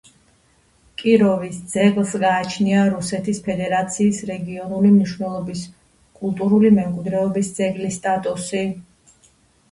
კიროვის ძეგლს გააჩნია რუსეთის ფედერაციის რეგიონალური მნიშვნელობის კულტურული მემკვიდრეობის ძეგლის სტატუსი.